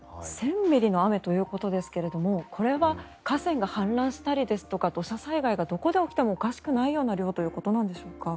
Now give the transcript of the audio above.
１０００ミリの雨ということですがこれは河川が氾濫したり土砂災害がどこで起きてもおかしくないという量なんでしょうか。